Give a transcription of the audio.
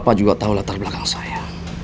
bapak juga tahu latar belakang saya